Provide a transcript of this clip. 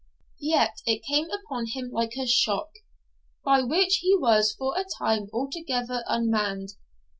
Yet it came upon him like a shock, by which he was for a time altogether unmanned.